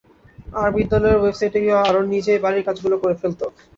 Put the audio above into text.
আর বিদ্যালয়ের ওয়েবসাইটে গিয়ে আরন নিজেই বাড়ির কাজগুলো করে ফেলত।